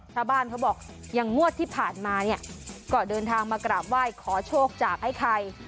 ชาวบ้านเขาบอกอย่างงวดที่ผ่านมาก็เดินทางมากราบไหว้ขอโชคจากให้ใคร